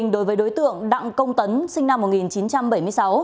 đối với đối tượng đặng công tấn sinh năm một nghìn chín trăm bảy mươi sáu